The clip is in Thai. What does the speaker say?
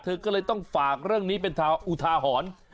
เธอก็เลยต้องฝากเรื่องนี้เป็นอุทาหรณ์